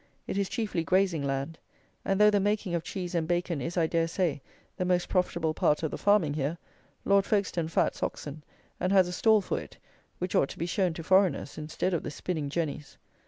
It is chiefly grazing land; and though the making of cheese and bacon is, I dare say, the most profitable part of the farming here, Lord Folkestone fats oxen, and has a stall for it, which ought to be shown to foreigners, instead of the spinning jennies.